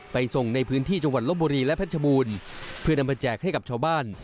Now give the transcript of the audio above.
ไปส่งในพื้นที่จังหวัดลบบุรีและเพชรบูรณ์เพื่อนำมาแจกให้กับชาวบ้าน